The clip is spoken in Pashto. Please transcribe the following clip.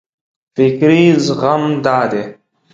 فکري زغم دا دی.